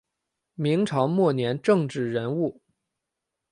明朝末年政治人物。